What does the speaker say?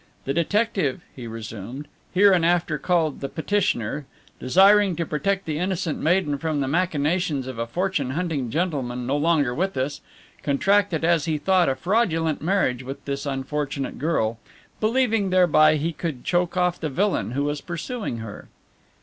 "The detective," he resumed, "hereinafter called the petitioner, desiring to protect the innocent maiden from the machinations of a fortune hunting gentleman no longer with us, contracted as he thought a fraudulent marriage with this unfortunate girl, believing thereby he could choke off the villain who was pursuing her."